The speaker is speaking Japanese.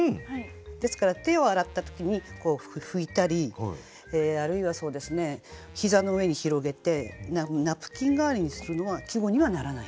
ですから手を洗った時に拭いたりあるいは膝の上に広げてナプキン代わりにするのは季語にはならない。